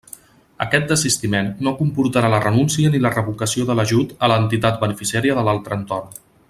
Aquest desistiment no comportarà la renúncia ni la revocació de l'ajut a l'entitat beneficiària de l'altre entorn.